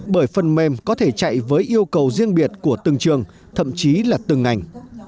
bởi phần mềm có thể chạy với yêu cầu riêng biệt của từng trường thậm chí là từng ngành